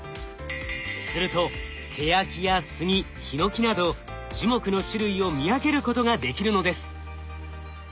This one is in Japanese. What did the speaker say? するとケヤキやスギヒノキなど樹木の種類を見分けることができるのです。